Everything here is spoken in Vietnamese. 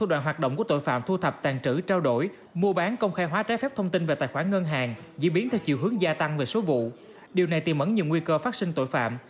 diễn biến theo chiều hướng gia tăng về số vụ điều này tiềm ẩn nhiều nguy cơ phát sinh tội phạm